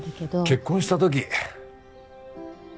結婚した時